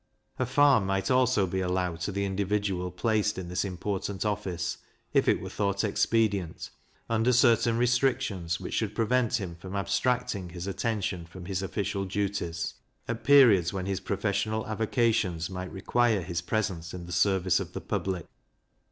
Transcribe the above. A farm might also be allowed to the individual placed in this important office, if it were thought expedient, under certain restrictions which should prevent him from abstracting his attention from his official duties, at periods when his professional avocations might require his presence in the service of the public.